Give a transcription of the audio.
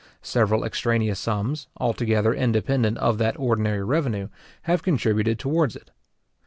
Several extraneous sums, altogether independent of that ordinary revenue, have contributed towards it.